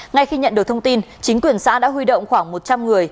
ngay khi nhận được thông tin chính quyền xã đã huy động khoảng một trăm linh người